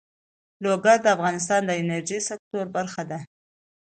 لوگر د افغانستان د انرژۍ سکتور برخه ده.